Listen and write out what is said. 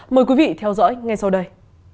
mời quý vị theo dõi ngay sau đây